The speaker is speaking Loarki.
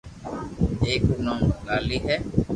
اآڪ رو نوم لالي ھي